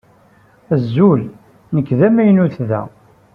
Azul. Nekk d amaynut da.